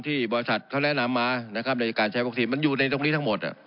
ที่บริษัทเขาแนะนำมานะครับในการใช้วัคซีนมันอยู่ในตรงนี้ทั้งหมด